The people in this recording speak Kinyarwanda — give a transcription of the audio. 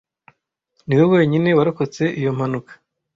Niwe wenyine warokotse iyo mpanuka.